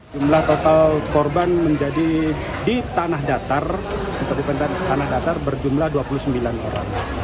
jumlah total korban menjadi di tanah datar atau di tanah datar berjumlah dua puluh sembilan orang